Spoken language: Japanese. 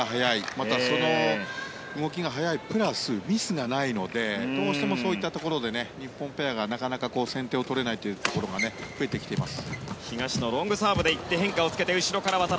また、その動きが速いプラスミスがないのでどうしてもそういったところで日本ペアが、なかなか先手を取れないというところが増えてきています。